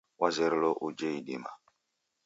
Wazerelo ujeghe idima.